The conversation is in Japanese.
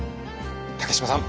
竹島さん